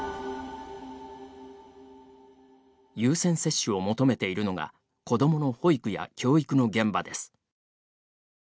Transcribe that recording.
優先接種を求めているのが子どもの保育や教育の現場です。